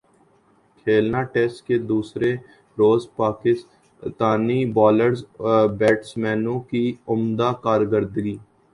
کھلنا test کے دوسرے روز پاکستانی بالرزاور بیٹسمینوں کی عمدہ کارکردگی